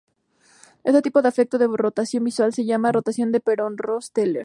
Este tipo de efecto de rotación visual se llama rotación de Penrose-Terrell.